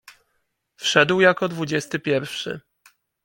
Wszedł jako dwudziesty pierwszy.